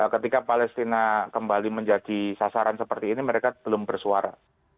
ketika palestina kembali menjadi sasaran seperti ini mereka belum bersuara